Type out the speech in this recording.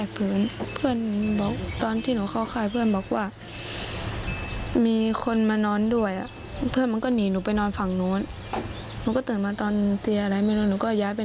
เมื่อก่อนถ้าไม่เห็นพวกน้องก็กระแทกพื้น